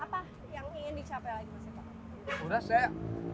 apa yang ingin dicapai lagi mas eko